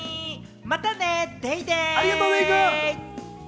またね、デイデイ！